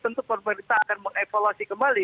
tentu pemerintah akan mengevaluasi kembali